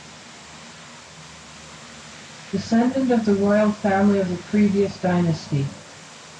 Descendant of the royal family of the previous dynasty.